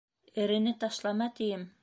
Эрене ташлама, тием.